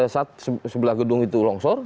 sebelah gedung itu longsor